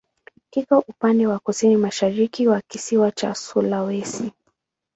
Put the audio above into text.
Kiko upande wa kusini-mashariki wa kisiwa cha Sulawesi.